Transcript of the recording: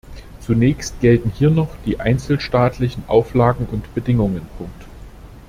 Zunächst gelten hier noch die einzelstaatlichen Auflagen und Bedingungen.